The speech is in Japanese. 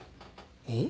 えっ？